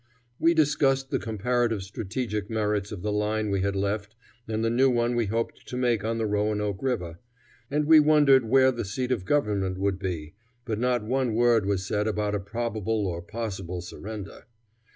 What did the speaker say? We discussed the comparative strategic merits of the line we had left and the new one we hoped to make on the Roanoke River, and we wondered where the seat of government would be, but not one word was said about a probable or possible surrender.